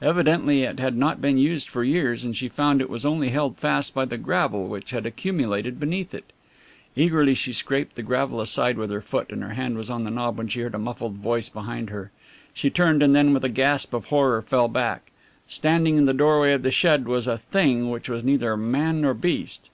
Evidently it had not been used for years and she found it was only held fast by the gravel which had accumulated beneath it. Eagerly she scraped the gravel aside with her foot and her hand was on the knob when she heard a muffled voice behind her. She turned and then with a gasp of horror fell back. Standing in the doorway of the shed was a thing which was neither man nor beast.